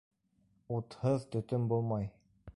Утһыҙ төтөн булмай.